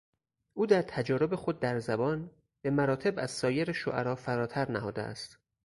او در تجارب خود در زبان، به مراتب از سایر شعرا فراتر نهاده است.